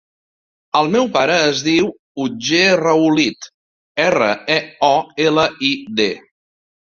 El meu pare es diu Otger Reolid: erra, e, o, ela, i, de.